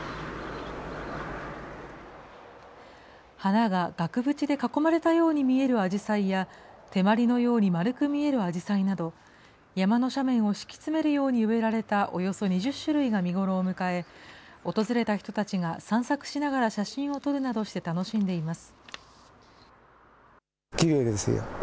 花が額縁で囲まれたように見えるアジサイや、手まりのように丸く見えるアジサイなど、山の斜面を敷き詰めるように植えられたおよそ２０種類が見頃を迎え、訪れた人たちが、散策しながら写真を撮るなどして楽しんでいます。